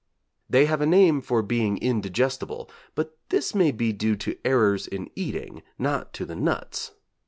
They have a name for being indigestible, but this may be due to errors in eating, not to the nuts.